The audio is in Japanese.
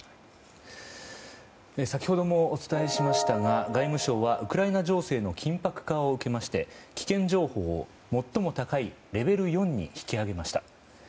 先ほどもお伝えしましたが外務省はウクライナ情勢の緊迫化を受けまして危険情報を最も高いレベル４に引き上げました。